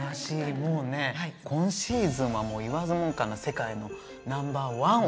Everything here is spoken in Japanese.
もうね今シーズンは言わずもがな世界のナンバーワンを。